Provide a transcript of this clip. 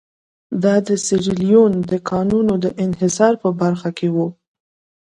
دا د سیریلیون د کانونو د انحصار په برخه کې وو.